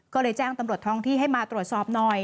ก็เลยแจ้งตำรวจท้องที่ให้มาตรวจสอบหน่อย